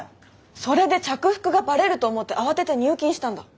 それで着服がばれると思って慌てて入金したんだ。